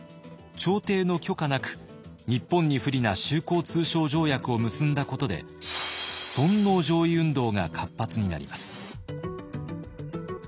朝廷の許可なく日本に不利な修好通商条約を結んだことで尊皇攘夷運動が活発になります。